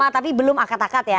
tapi belum akat akad ya